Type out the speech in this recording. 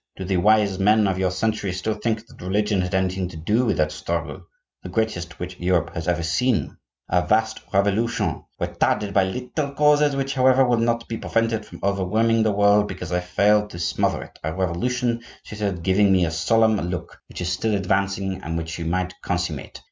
Do the wise men of your century still think that religion had anything to do with that struggle, the greatest which Europe has ever seen?—a vast revolution, retarded by little causes which, however, will not be prevented from overwhelming the world because I failed to smother it; a revolution,' she said, giving me a solemn look, 'which is still advancing, and which you might consummate.